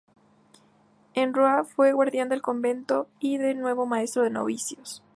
En Ruan fue guardián del convento y de nuevo maestro de novicios.